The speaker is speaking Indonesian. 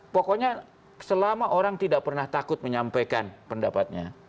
pokoknya selama orang tidak pernah takut menyampaikan pendapatnya